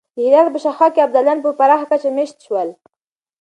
د هرات په شاوخوا کې ابدالیان په پراخه کچه مېشت شول.